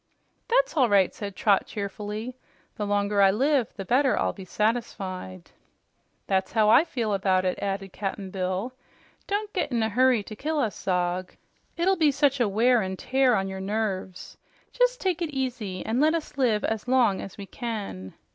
"That's all right," said Trot cheerfully. "The longer you take, the better I'll be satisfied." "That's how I feel about it," added Cap'n Bill. "Don't get in a hurry to kill us Zog. It'll be such a wear an' tear on your nerves. Jes' take it easy an' let us live as long as we can."